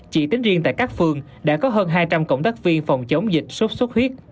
chỉ tính riêng tại các phường đã có hơn hai trăm linh cộng tác viên phòng chống dịch sốt xuất huyết